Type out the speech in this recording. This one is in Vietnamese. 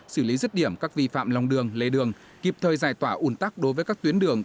xử lý rứt điểm các vi phạm lòng đường lê đường kịp thời giải tỏa ủn tắc đối với các tuyến đường